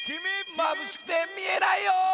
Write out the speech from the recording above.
まぶしくてみえないよ！